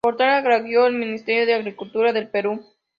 Portal Agrario del Ministerio de Agricultura del Perú.